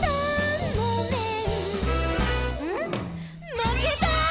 まけた」